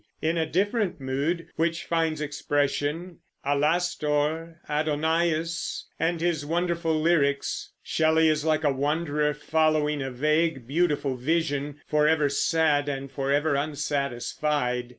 In a different mood, which finds expression Alastor, Adonais, and his wonderful lyrics, Shelley is like a wanderer following a vague, beautiful vision, forever sad and forever unsatisfied.